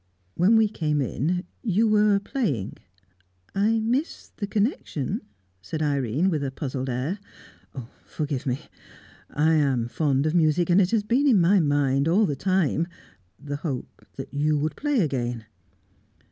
When we came in, you were playing." "I miss the connection," said Irene, with a puzzled air. "Forgive me. I am fond of music, and it has been in my mind all the time the hope that you would play again."